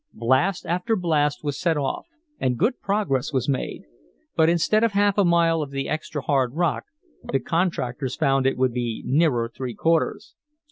Blast after blast was set off, and good progress was made. But instead of half a mile of the extra hard rock the contractors found it would be nearer three quarters.